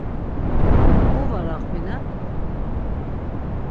Mu var aqvinen?